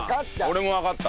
俺もわかった。